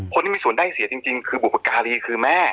คนที่มีส่วนได้เสียจริงคือบุพการีคือแม่